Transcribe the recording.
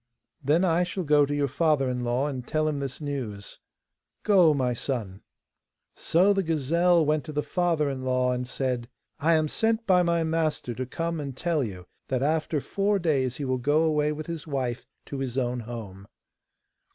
'Then I shall go to your father in law and tell him this news.' 'Go, my son.' So the gazelle went to the father in law and said: 'I am sent by my master to come and tell you that after four days he will go away with his wife to his own home.